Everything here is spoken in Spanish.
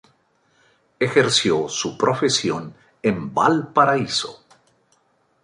Ejerció su profesión en Valparaíso.